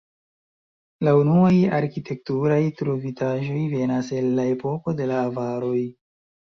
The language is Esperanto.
La unuaj arkitekturaj trovitaĵoj venas el la epoko de la avaroj.